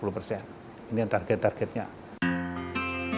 ketika berada di jawa perjalanan dari jawa ke jawa akan menjadi lebih mudah